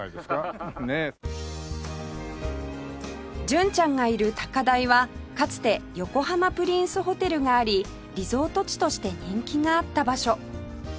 純ちゃんがいる高台はかつて横浜プリンスホテルがありリゾート地として人気があった場所